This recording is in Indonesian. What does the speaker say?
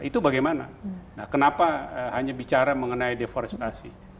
itu bagaimana kenapa hanya bicara mengenai deforestasi